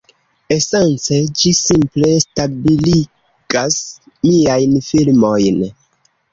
Esence ĝi simple stabiligas miajn filmojn.